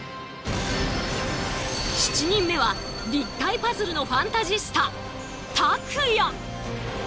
７人目は立体パズルのファンタジスタＴＡＫＵＹＡ。